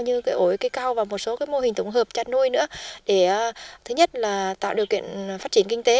như ổi cây cao và một số mô hình tổng hợp chặt nuôi nữa để thứ nhất là tạo điều kiện phát triển kinh tế